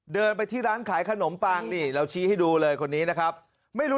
เดินไปที่ร้านขายขนมปังนี่เราชี้ให้ดูเลยคนนี้นะครับไม่รู้